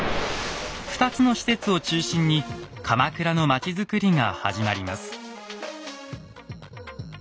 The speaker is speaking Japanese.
２つの施設を中心に鎌倉の町づくりが始まります。